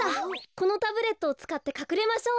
このタブレットをつかってかくれましょう。